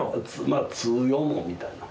まあ通用門みたいな。